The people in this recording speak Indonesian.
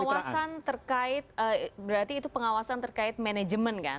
pengawasan terkait berarti itu pengawasan terkait manajemen kan